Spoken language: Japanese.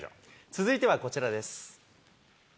続いてはこちらです。